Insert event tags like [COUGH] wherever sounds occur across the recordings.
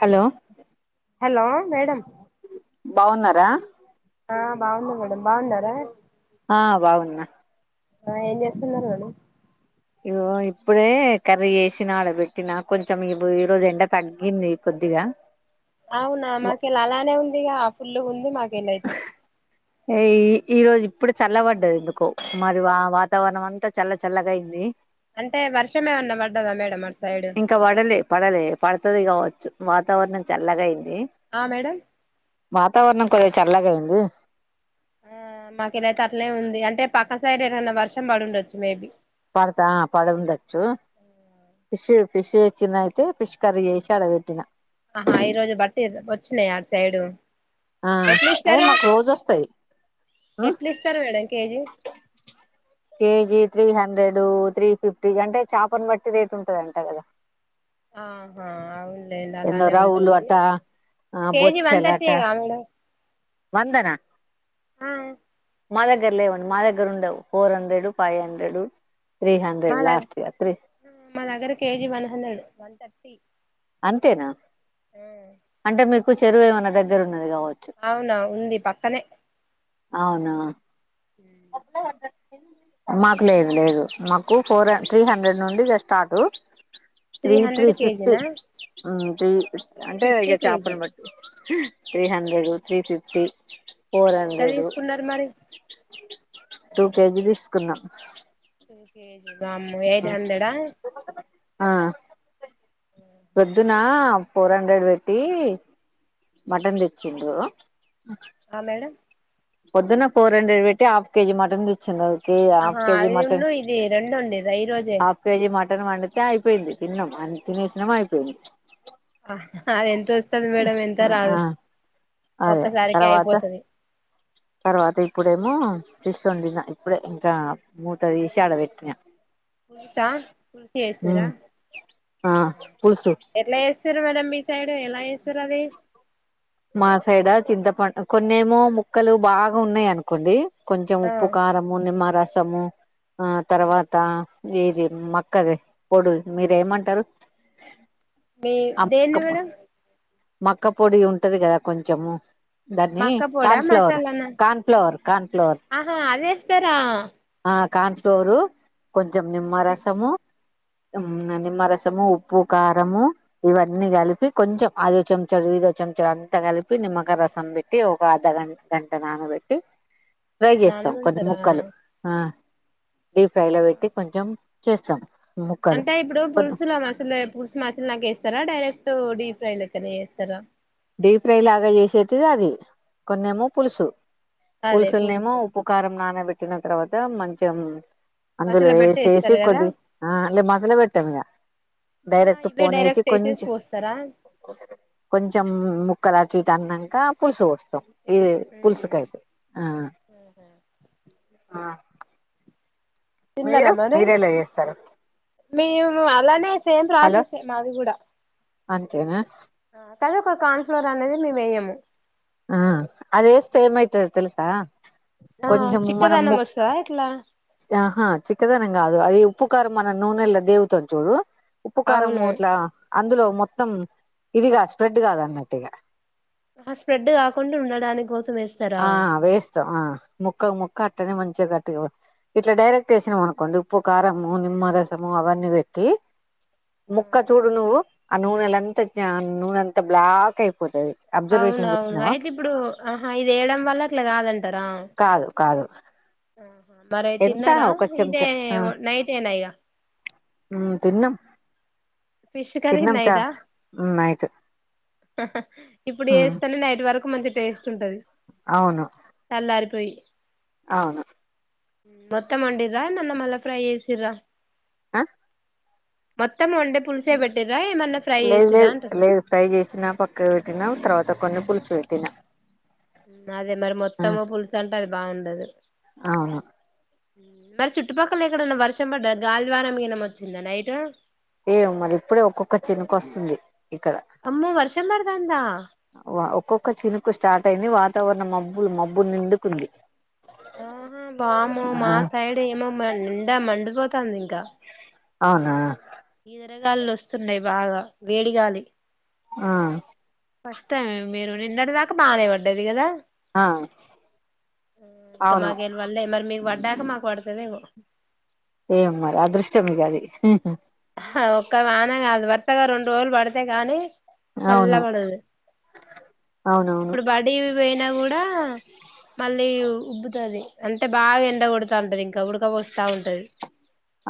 Hello hello madam బావున్నారా ఆ బాగునామ్ బాగున్నారా ఆ బాగున్నా ఆ ఏం చేస్తున్నారు మీరు ఇదిగో ఇప్పుడే కర్రీ చేసినా, ఆడ పెట్టినా, కొంచెం ఇ ఈరోజు ఎండ తగ్గింది కొద్దిగా అవునా మాకిలా అలానే ఉందిగ పుల్లుగుంది మాకు ఎందో అయితే ఈ ఈ రోజు ఇప్పుడు చల్ల పడ్డది ఎందుకో మరి వా వాతావరణం అంతా చల్ల చల్లగా అయింది అంటే వర్షమేమన్న పడ్డద మేడమ్ అట్ ఇంకా పడలే పడలే పడతది కావచ్చు వాతావరణం చల్లగా అయింది ఇ ఆ మేడం వాతావరణం కొద్దిగ చల్లగైంది ఆ మాకీడైతే అట్నే ఉంది అంటే పక్కన సైడ్ ఏటన్నా వర్షం పడి ఉండొచ్చు మేబీ పడతా పడ ఉండచ్చు ఫిష్ ఫిష్ చిన్నయితే ఫిష్ కర్రీ చేసి అడ వెట్టిన ఆహా ఈ రోజు బట్టిరు వచ్చినాయ అటు సైడు ఆ ఎట్లా అయి ఇస్తారు మాకు రోజు వస్తాయి ఎట్లా ఇస్తారు madam KG KG three hundred, three fifty అంటే చాపను బట్టి రేట్ ఉంటదంట కదా ఆహా అవునులేండి ఎందో అలానే రవులు ఉంటది. అట అని కేజీ వన్ థర్టీయే కా మేడం వంద నా ఆ మా దగ్గరలేవండి మా దగ్గర ఉండవు ఫోర్ హండ్రెడు, ఫైవ్ హండ్రెడు మా దగ్గ మా దగ్గర కేజీ వన్ హండ్రెడ్ థర్టీ అంతేనా అంటే మీకు కు చెరువేమన్న దగ్గర ఉన్నది కావచ్చు అవునా ఉంది పక్కనే అవునా హ్మ్మ్ మాకు లేదు లేదు నాకు ఫోర్, త్రీ హండ్రెడ్ నుండి ఇగ start three three hundred fifty కేజీనా మ్మ్ త్రీ అంటే ఫిఫ్టీ ఇక కేజీ చాపని బట్టి three hundred three fifty four ఎంత హండ్రెడ్ తీసుకున్నారు మరి టూ కేజీ తీసుకున్నాం ఒకే బమ్ ఎయిట్ హండ్రెడ్ హా పొద్దున్న ఫోర్ హండ్రెడ్ పెట్టి మటన్ తెచ్చిండ్రు ఆ మేడం పొద్దున్న ఫోర్ హండ్రెడ్ పెట్టి హాఫ్ కేజీ మటన్ తెచ్చింది అ ఆహా అది ఉండు ఇది రెండు ఉండి ఈరోజే హాఫ్ [UNINTELLIGIBLE] అయిపోయింది తిన్నం అ తినేసానం అయిపోయింది ఎంత వస్తది మేడం ఎంత రాదు ఆ అదే ఒక్కసారికే తర్వాత అయిపోతది తర్వాత ఇప్పుడేమో చూసిండిన ఇప్పుడే ఇంకా మూత తీసి ఆడ పెట్టిన పులుసా పుల్సు చేస్తుర ఆ పులుసు ఎట్లా చేస్తుండ్రు మేడమ్ మీ సైడ్ ఎ ఎలా చేస్తురు అది మా సైడా చింతపండు కొన్నిమో ముక్కలు బాగా ఉన్నాయి అనుకోండి కొంచెం ఆ ఉప్పు కారము నిమ్మా ర సమూ ఆ తర్వాత ఏది మక్కది పొడు మీర ఏమంటారు మీ దేన్నీ మేడం మక్క పొడి ఉంటది కదా కొంచెము దాన్ని మక్క పొడా కార్న్ ఫ్లోర్ మసాలానా కార్న్ ఫ్లోర్ కార్న్ ఫ్లోర్ ఆహా అదేస్తారా కాన్ట్లూరు కొంచం నిమ్మ రసము నిమ్మ రసము ఉప్పు కారము ఇవన్నీ కలిపి కొంచెం అఐదో చెంచాలు ఇఐదో చెంచాలు అంతా కలిపి నిమ్మక రసం పెట్టి ఒక అర్ధ గ గంట నానబెట్టి ఫ్రై చేస్తాం కొన్ని నానబెడతారా ముక్కలు డీ ఫ్రైలో పెట్టి కొంచెం చేస్తాం ముక్కలు అంటే ఇప్పుడు పులుసుల మసలు పులుసు మసులు నా ఇస్తారా డైరెక్ట్ డీప్ ఫైల్ లెక్కనే చేస్తారా డీప్ ఫ్రై లాగా చేసేటది అది కొన్నేమో పులుసు అదే పుల్సుల్నేమో పులుసు ఉప్పుకారం నానబట్టిన తర్వాత ఇదా మంచం అందులో మసాలా పెట్టి వేసేసి వేస్తారు కదా కొద్ది ఆ అ మసాల పెట్టాము. ఇక ఆ డైరెక్ట్ ఇవే పోన్ వేసి డైరెక్ట్ వేసేసి కొంచం పోస్తారా కొం ముక్కల చీటు అన్నంక పులుసు పోస్తాం. ఇది పుల్సుకైతే ఆ ఆ తిన్నారా మీరు మరి మీరేలా చేస్తారు మేము అలానే సేం హలో ప్రాసెస్ మాది కూడా అంతేనా అది ఒక కార్న్ ఫ్లోర్ అనేది మేము వేయము. ఆ అదేస్తే ఏమయితది తెలుసా ఆ కొంచం మనం చిక్కదనం ము వస్తదా ఇట్లా ఆహా చిక్కదనం కాదు అది ఉ ఉప్పు కారం మనం నూనెల్లో దేవుతాం చూడు ఉప్పు కారమూ అవును ఎట్లా అందులో మొత్తం ఇదిగా స్ప్రెడ్ కాదు అన్నట్టుగా ఆ స్ప్రెడ్ కాకుండా ఉండడాని కోసం వేస్తారా ముక్కకు ముక్క అట్టనే మంచిగా కట్టుగా ఇట్లా డైరెక్ట్ వేసినాం. అనుకోండి ఉప్పు కారము నిమ్మరసము అవన్నీ పెట్టి, ముక్క చూడు నువ్వు ఆ నూనెల అంతా నూనెంతా బ్లాక్ అయిపోతది అబ్జర్వేషన్ చే అవును అయితే ఇప్పుడు ఆహా ఇది వేయడం వల్ల అట్లా కాదంటరా ఉ కాదు కాదు మరి ఎంత తిన్నార ఒక ఇదే చెంచా నైటేనా ఇగ ఉ తిన్నం ఫిష్ కర్రీ ఉన్నాయిద నైట్ ఇప్పుడు ఏస్తానే నైట్ వరకు మంచి టేస్ట్ ఉంటది అవును తెల్లారి పోయ్ అవును మొత్తం వండిడ్రా ఏమన్న మల్ల ప్రై చేసిర్రా ఆ మత్ లేదు లేదు చేసిర్రా లేదు అంటున్నా మేం ఫ్రై చేసినా పక్కన పెట్టినా తర్వాత కొన్న పులుసు తినా ఉ అదే మరి మొత్తం పులుసు అంటే అ బాగుండదు ఆహ మరి చుట్టుపక్కల ఎక్కడన్నా వర్షం పడ్డ గాలి ద్వారం గినం వచ్చిందా నైట్ ఏమో మరి ఇప్పుడే ఒక్కొక్క చినుక వస్తుంది ఇక్కడ అమ్మో వర్షం పడతాందా వ ఒక్కొక్క ఒక్క చినుకు స్టార్ట్ అయింది వాతావరణం మబ్బులు మబ్బు నిండుకుంది ఆహా వామ్మో ఆ మా సైడ్ ఏమో ఎండ మండిపోతు వత్తంది ఇంకా అవునా వడగాళ్లు వస్తున్నాయి బాగా వేడిగాలి ఆ ఫస్ట్ టైం మేము మీరు నిన్నడి దాకా బానే వ ఉండేది గదా ఆ ఇంకా అవును మాకెళ్ళి వల్లే మరి మీకు వడ్ డ్డాక మాకు వడతదేమో ఏం మరి అదృష్టం ఇగ అది హా ఒక్క వాన గాదు వరుసగా రెండు రోజులు పడితే కానీ చల్ల అవును పడదు అవునవును ఇప్పుడు బడి పోయినా కూడా మళ్ళీ ఉబ్బుతది అంటే బాగా ఎండ కొడతాంటది ఇంకా ఉడకపోస్తా ఉంటది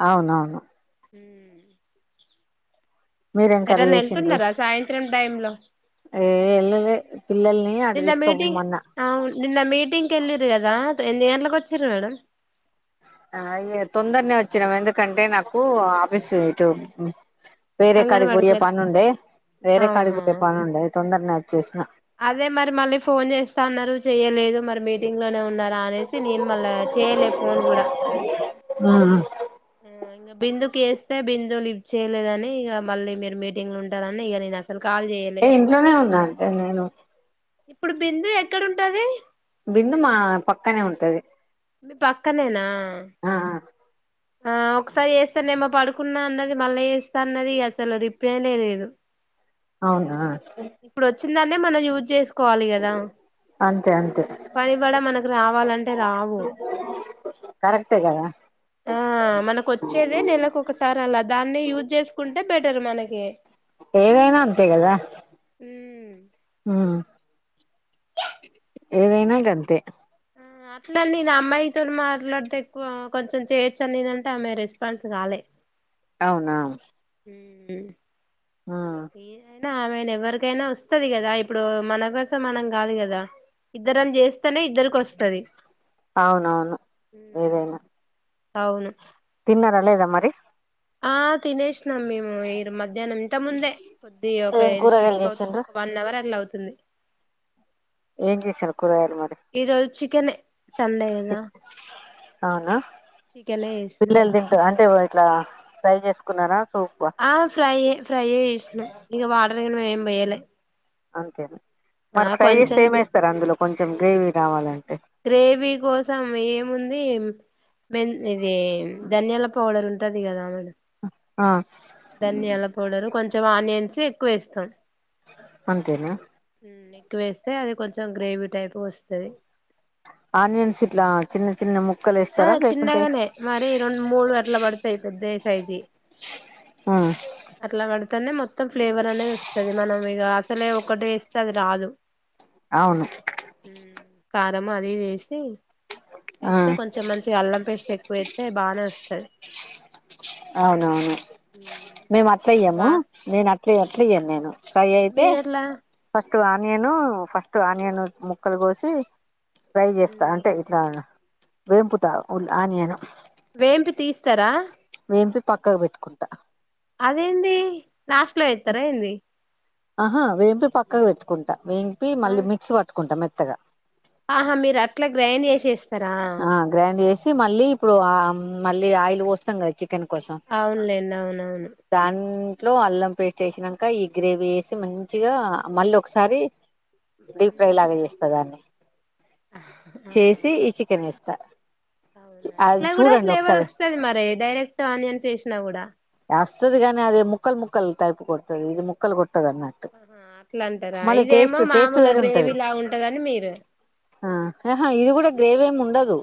అవునవును మీరేం కర్రీ చేసిండ్రు త్రం టైంలో ఏ వెళ్ళలే పిల్లల్ని అడ తీసుకోపోమన్న నిన్న మీటింగ్ కెళ్ళిరు కదా ఎన్ని గంటలకు వచ్చిరు మేడమ్ ఆ ఇగ తొందరనే వచ్చినాం ఎందుకంటే నాకు ఆఫీస్ ఇటు వేరే కాడికి అంగన్వాడికి పోయే వెళ్ళి పనుండే వేరే కాడికి ఆహా పోయే పనుండే తొందరనే వచ్చేసిన అదే మరి మళ్ళీ ఫోన్ చేస్తా అన్నారు చెయ్యలేదు మరి మీటింగ్ లోనే ఉన్నారా అనేసి నేను మళ్ళా చేయలే ఫోన్ గుడా ఉ ఉ ఇగా బిందుకి చేస్తే బిందు లిఫ్ట్ చేయలేదని ఇగా మళ్ళీ మీరు మీటింగ్ లో ఉంటారని ఇగ నేను అస నేను ఇంట్లోనే ఉన్నాను ఎ నేను ఇప్పుడు బిందు ఎక్కడ ఉంటది బిందు మా పక్కనే ఉంటది మీ పక్కనేనా ఆ ఆ ఒకసారి చేస్తానేమో పడుకున్నా అన్నది మళ్ళా చేస్తా అన్నది అసలు రీప్లేనే లేదు అవునా ఇప్పుడు ఓచ్ వచ్చిందాన్ని మనం యూజ్ చేసు కోవాలి గదా అంతే అ పనిబడా మనకు రావాలంటే రావు కరెక్టే కదా ఆ మనకు వచ్చేదే నెలకు ఒకసారి అలా దాన్నే యూజ్ చేసుకుంటే బెటర్ మనకి ఏదైనా అంతే కదా ఉమ్ హ్మ్ ఏదైనా గంతే అట్లా నేను అమ్మాయితో మాట్లాడితే ఎక్కువ కొంచెం చేయొచ్చాను నేనంటే ఆమె రెస్పాన్స్ కాలే అవునా హ్మ్ ఆ నా ఆమె ఎవ్వరికైనా వస్తది కదా ఇప్పుడు మన కోసం మనం కాదు కదా ఇద్దరం చేస్తేనే ఇద్దరికి వస్తది అవునవును ఏదైనా అవును న్నారా లేదా మరి ఆ తినేష్ న్నం మేము మధ్యాహ్నం ఇంత ముందే కొద్ది ఒక ఏం కూరగాయలు ఎంసేపు అవుతుంది చేసిండ్రు ఒక వన్ అవర్ అట్లా అవుతు తుంది ఏం చేసారు కూరగాయలు మరి ఈ రోజు చికెనే తండే గదా అవునా చికెనే వేసిన తే ఇట్లా ఫ్రై చేసుకున్నారా సూప్ ఆ ఫ్రై ఏ ఫ్రై యే చేసిన ఇగ వాటర ఏం పోయ్యలే అంతేనా మరి ఫ్రై చేస్తే ఏమేస్తారు అందులో కొంచెం గ్రేవీ రావాలం గ్రేవీ కోసం ఏం ముంది మె ఇది ధనియాల పౌడర్ ఉంటది కదా మేడం ఆ ధనియాల పౌడరు కొంచెం ఆనియన్స్ ఎక్కువ యేస్తాం అంతేనా ఎక్కువేస్తే అది కొంచెం గ్రేవీ టైపు వస్తది ఆనియన్స్ ఇట్లా చిన్న చిన్న ము ఆ చిన్నగానే మరి రెండు మూడు అట్ల పడతాయి పెద్ద సైజి ఆ తనే మొం మొం ఫ్లేవర్ అనేది వస్తుది మనం ఇక అసలే ఒకడే ఇస్తే అది రాదు అవును ఉ కారం అది ఈది ఏసి ఆ వేస్తే కొంచెం మంచిగా అల్లం పేస్ట్ ఎక్కువ వేస్తే బానే వస్తుంది. అవునవును మేము అట్ అయ్యాము వా నేను అట్ క్లియర్ క్లియర్ నేను పై అయితే మీరెట్లా ఆనియను ఫస్ట్ ఆనియను ము క్కలు కోసి ట్రై చేస్తా అంటే ఇట్లా వేంపుట ఉల్ ఆనియను వేంపి తీస్తారా దంపి పక్కగా పెట్టుకుంటా అదేంది లాస్ట్ లో ఎతరా ఏంది ఆహా వేపు పక్కగా పెట్టుకుంటా వంపి మళ్ళీ మిక్స్ పట్టుకుంటా మే త్తగా ఆహా మీరు అట్లా గ్రైండ్ చేసే ఆ గ్రాండ్ జైస్ మళ్ళీ ఇప్పుడు ఆ మళ్ళీ ఆయిల్ పోస్తంగా చి అవునులేండి అవునవును ఇట్లో అల్లం పేస్ట్ వేసినాక ఈ గ్రేవీ వేసి మంచిగా మల్లొకసారి డిఫ్రై లాగా చేస్తా దాన్ని ఆ చేసి ఈ చి వేస్తా అవునా అది ఇట్లా కూడా చూడండి ఫ్లేవర్ ఒకసారి వస్తుది మరి డైరెక్ట్ ఆనియన్ ఏసినా కూడా వస్తుది గాని అదే ముక్కలు ముక్కలు టైప్ కొడుతుది ఇది ముక్కలు కొ గా ఆన్నట్టు ఆహా అట్లా అంటారా మళ్ళీ ఇదేమో టేస్ట్ టేస్ట్ మామూలు వేరే ఉంటది గ్రేవీ లా ఉంటదని మీరు ఆ ఆహా ఇది కూడా గ్రేవీ ఏమి ఉండదు.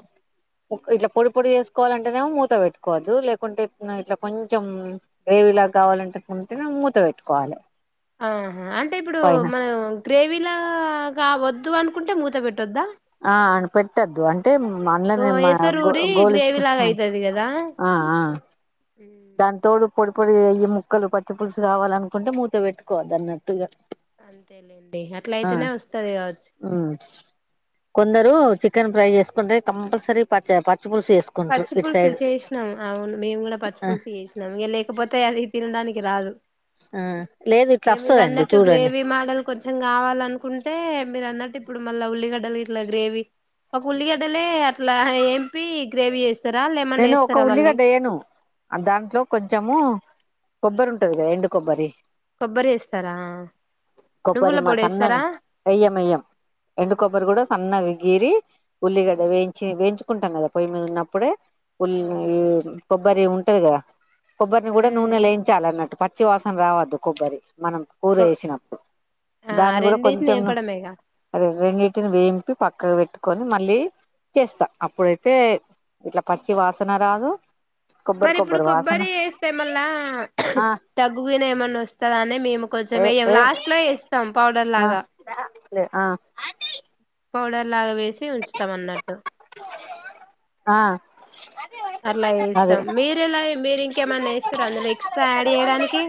ఇట్లా పొడి పొడి చేసుకోవాలింటేనేో మూత పెట్టుకోవద్దు లేకుంటే ఇట్లా కొంచం. చెం గ్రేవీ లాగా కావాలింటకుంటేనే మూత పెట్టుకోవాలి ఆహా అంటే ఇప్పుడు పైన మనం గ్రేవీ లాగా వద్ అనుంటే మూత పెట్టు ఆ అయన పెట్టొద్దు అంటే ఓ అంలనే మా గో ఎసరూరి గ్రేవీ లాగా గోలుచ్చుకుంటున్నా అయితది కదా ఆ ఆ. దాంతోడు పొడి పొడి అయ్యి ముక్కలు పచ్చి పులుసు కావాలనుకుంటే మూత పెట్టుకోవదు అన్నట్టుగా అంతేలేండి అట్ల ఆ అయితేనే వస్తది కావచ్చు ఉమ్ కొందరు చికెన్ ఫ్రై చేసుకుంటే కంపల్సరీ పచ్చ ప పచ్చిపుులుసు చేసినాం అవును మేము కూడా పచ్చి ఆ పులుసు చేసినా ఇక లేకపోతే అది తినడానికి కరాదు ఆ లేదు ఇట్లా ఏ మీరు వస్తదండి అన్నట్టు చూడండి గ్రేవీ మాడలు కొంచెం కావాలనుకుంటే అంటే మీరు అన్నట్టు ఇప్పుడు మళ్ళా ఉల్లిగడ్డలు ఇట్లా గ్రేవీ, ఒక ఉల్లిగడ్డలే అట్లా ఏంపి గ్రీవి ఎస్ నేను ఒక ఉల్లిగడ్డ వేయను దాంట్లో కొంచము కొబ్బరి ఉంటది కా ఎండు కొబ్బరి కొబ్బరి వేస్తారా నువ్వుల కొబ్బరిమా పొడి సన్న వేస్తారా వెయ్యం వెయ్యం ఎండు కొబ్బరి ఆహా కూడా సన్నగా గీరి ఉల్లిగడ ఉమ్, వేయించి వేయించు కుంటాం కదా పోయి మీద ఉనపుడే ఫుల్ ఉ అవునవును కొబ్బరి ఉం ట యే కదా కొబ్బరిని కూడా నూనె ఉమ్, లేయించాలన్నట్టు ప పచ్చి వాసన రావద్దు కొబ్బరి మనం కూర కొ- వేసినప్పుడు ఆ దాన్ని కూడా రెండింటిని కొంచెం వేపడమేగా రెండింటిని వేయింపి పక్ పక్క పెట్టుకొని మళ్ళీ చేస్తా అప్పుడైతే ఇట్లా పచ్చి వాసన రాదు కొబ్బరి మరి ఇప్పుడు వాసన కొబ్బరి వేస్తే మళ్ళా ఆ తగ్గునే ఏమన్నా వస్తా అని మేము కొంచెం ఏ వేయం ఏ లాస్ట్ లో ఇస్తాం పౌ ఆ ఆ పౌడర్ లాగా వేసి ఉంచుతాం అన్నట్టు ఆ అర్లా అదే ఇస్తం మీరలా మీరి ఇంకేమన్నా ఏస్తారా అందులో ఎక్స్ట్రా యాడ్ చేయడానికి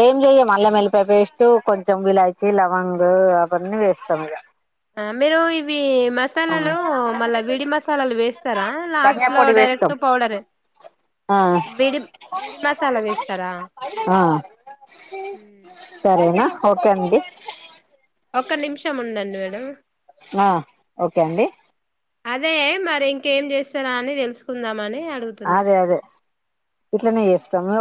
ఏం చెయ మల్ల మల్లిపాయ పేస్ట్ కొంచెం ఇలాచి లవంగు అవన్నీ వేస్తాం ఇక ఆ మీరు ఇవి మసాలాలు మల్ల విడి మసాలాల వేస్తారా, లాస్ట్ ధనియా లో పొడి వేస్తాం డైరెక్ట్ పౌడర్ ఆ విడి మసాలాల వేస్తారా ఆ సరేనా ఓకే అండి ఒక నిమిషం ఉండండి మేడం ఆ ఓకే అండి అదే మరి ఇంకేం చేస్తారా అని తెలుసు అదే అదే ఇట్లనే ఎస్తాం